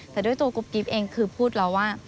แต่ด้วยตัวกรุ๊ปกรีฟเองคือพูดเราว่า